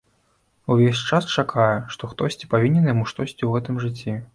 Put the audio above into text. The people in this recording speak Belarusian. Увесь час чакае, што хтосьці павінен яму штосьці ў гэтым жыцці.